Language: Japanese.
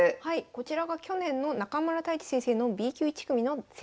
こちらが去年の中村太地先生のＢ級１組の成績になります。